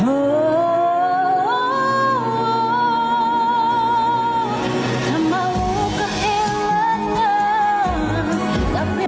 oh tak mau kehilangan